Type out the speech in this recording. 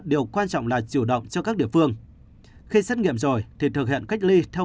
điều quan trọng là chủ động cho các địa phương khi xét nghiệm rồi thì thực hiện cách ly theo